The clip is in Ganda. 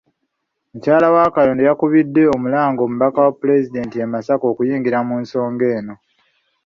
Mukyala wa Kayondo, yakubidde omulanga omubaka wa Pulezidenti e Masaka okuyingira mu nsonga eno.